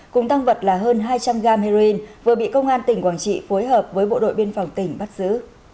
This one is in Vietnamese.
cùng tăng vật là hơn hai trăm linh gam heroin vừa bị công an tỉnh quảng trị phối hợp với bộ đội biên phòng tỉnh bắt giữ